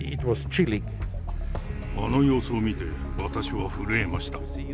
あの様子を見て、私は震えました。